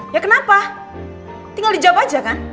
ya kenapa tinggal dijawab aja kan